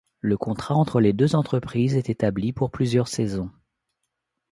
Le contrat entre les deux entreprises est établi pour plusieurs saisons.